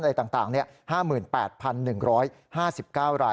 อะไรต่างเนี่ย๕๘๑๕๙ราย